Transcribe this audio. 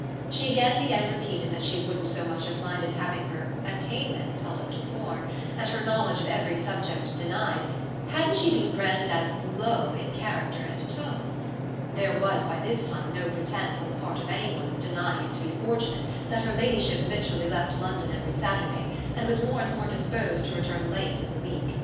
She again and again repeated that she wouldn't so much have minded having her "attainments" held up to scorn and her knowledge of every subject denied, hadn't she been branded as "low" in character and tone. There was by this time no pretence on the part of any one of denying it to be fortunate that her ladyship habitually left London every Saturday and was more and more disposed to a return late in the week.